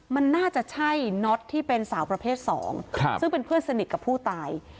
มันน่าจะใช่น็อตที่เป็นสาวประเภทสองซึ่งเป็นเพื่อนสนิทกับผู้ตาย